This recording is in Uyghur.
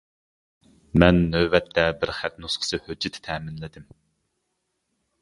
مەن نۆۋەتتە بىر خەت نۇسخىسى ھۆججىتى تەمىنلىدىم.